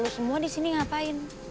lo semua disini ngapain